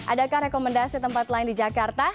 adakah rekomendasi tempat lain di jakarta